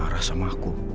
dia marah sama aku